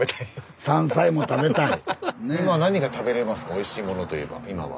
おいしいものといえば今は。